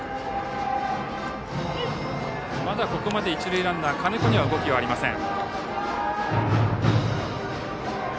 ここまで一塁ランナー金子には動きがありません。